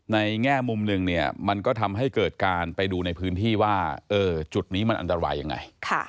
แง่มุมหนึ่งเนี่ยมันก็ทำให้เกิดการไปดูในพื้นที่ว่าจุดนี้มันอันตรายยังไง